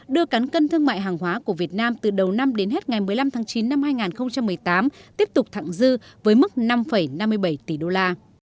đưa cán cân thương mại hàng hóa của việt nam từ đầu năm đến hết ngày một mươi năm tháng chín năm hai nghìn một mươi tám tiếp tục thẳng dư với mức năm năm mươi bảy tỷ đô la